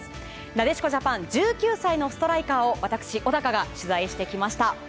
なでしこジャパン１９歳のストライカーを私、小高が取材してきました。